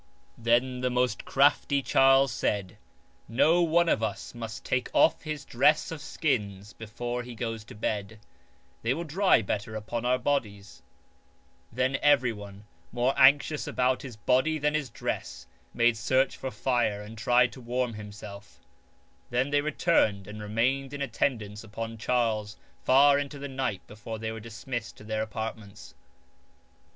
Then the most crafty Charles said :" No one of us must take off his dress of skins before he goes to bed ; they will dry better upon our bodies." Then evcrj'one, more anxious H9 LUXURY REPROVED about his body than his dress, made search for fire and tried to warm himself. Then they returned and remained in attendance upon Charles far into the night before they were dismissed to their apartments.